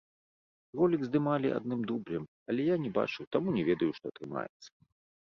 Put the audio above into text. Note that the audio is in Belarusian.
Ролік здымалі адным дублем, але я не бачыў, таму не ведаю, што атрымаецца.